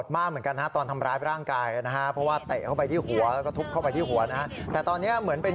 เมื่อเมื่อเมื่อเมื่อ